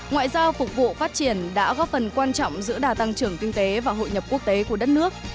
ngoại giao phục vụ phát triển đã góp phần quan trọng giữa đà tăng trưởng kinh tế và hội nhập quốc tế của đất nước